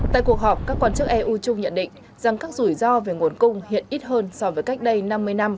tại cuộc họp các quan chức eu chung nhận định rằng các rủi ro về nguồn cung hiện ít hơn so với cách đây năm mươi năm